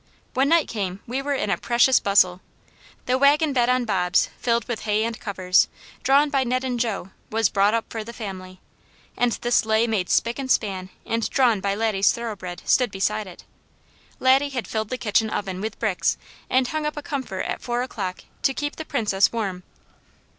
When night came we were in a precious bustle. The wagon bed on bobs, filled with hay and covers, drawn by Ned and Jo, was brought up for the family, and the sleigh made spick and span and drawn by Laddie's thoroughbred, stood beside it. Laddie had filled the kitchen oven with bricks and hung up a comfort at four o'clock to keep the Princess warm.